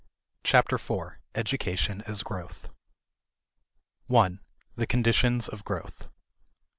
Chapter Four: Education as Growth 1. The Conditions of Growth.